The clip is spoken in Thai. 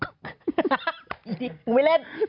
จริงมึงไม่เล่น